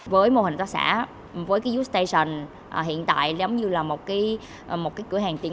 với mô hình hợp tác xã với york station hiện tại giống như là một cửa hàng tiền